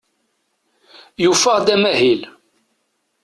Yufa-aɣ-d amahil.